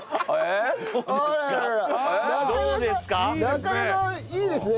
なかなかいいですね。